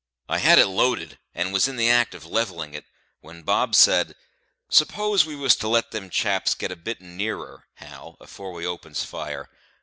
I had it loaded, and was in the act of levelling it, when Bob said, "Suppose we was to let them chaps get a bit nearer, Hal, afore we opens fire.